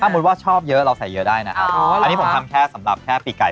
มุติว่าชอบเยอะเราใส่เยอะได้นะครับอันนี้ผมทำแค่สำหรับแค่ปีกไก่